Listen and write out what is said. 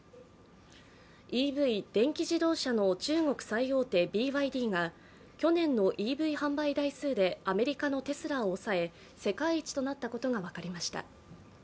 ＥＶ＝電気自動車の中国最大手、ＢＹＤが去年のＥＶ販売台数でアメリカのテスラを抑え世界一となったことが分かりました。